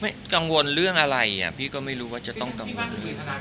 กังวลเรื่องอะไรพี่ก็ไม่รู้ว่าจะต้องกังวล